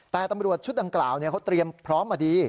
แต่ตำรวจชุดดังกล่าวเขาเตรียมพร้อมมาดี